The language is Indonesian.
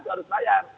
itu harus bayar